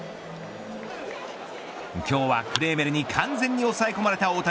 今日はクレーメルに完全に抑え込まれた大谷。